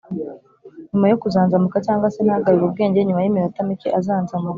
nyuma yo kuzanzamuka cyangwa se ntagarure ubwenge nyuma y iminota mike azanzamutse